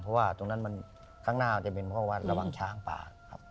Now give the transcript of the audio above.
เพราะว่าตรงนั้นมันข้างหน้ามันจะเป็นเพราะว่าระวังช้างป่าครับ